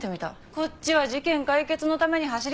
こっちは事件解決のために走り回ってんのに。